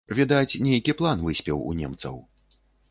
Відаць, нейкі план выспеў у немцаў.